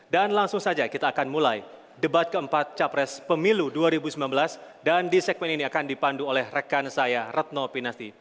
dan langsung saja kita akan mulai debat keempat capres pemilu dua ribu sembilan belas dan di segmen ini akan dipandu oleh rekan saya retno pinasti